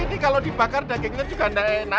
kita ini kalau dibakar dagingnya juga enak